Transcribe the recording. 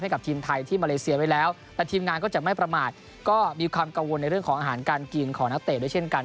ให้กับทีมไทยที่มาเลเซียไว้แล้วแต่ทีมงานก็จะไม่ประมาทก็มีความกังวลในเรื่องของอาหารการกินของนักเตะด้วยเช่นกัน